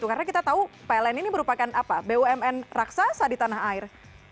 karena kita tahu pln ini merupakan apa bumn raksasa di tanah air